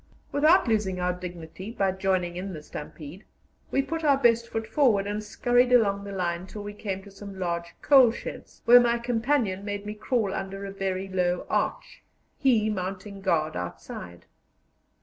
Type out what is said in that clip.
Without losing our dignity by joining in the stampede, we put our best foot forward, and scurried along the line till we came to some large coal sheds, where my companion made me crawl under a very low arch, he mounting guard outside.